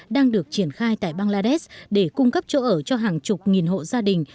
đang được triển khai tại bangladesh để cung cấp chỗ ở cho hàng chục nghìn hộ gia đình